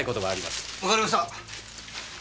わかりました！